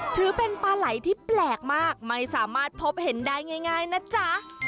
ถือเป็นปลาไหล่ที่แปลกมากไม่สามารถพบเห็นได้ง่ายนะจ๊ะ